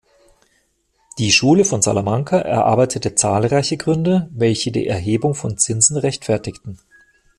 Die Schule von Salamanca erarbeitete zahlreiche Gründe, welche die Erhebung von Zinsen rechtfertigten.